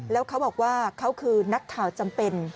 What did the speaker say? แล้วเขาบอกว่าเขาคือนักข่าวจำเป็น